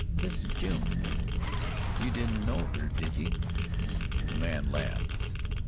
"This is June. You didn't know her, did ye?" The man laughed.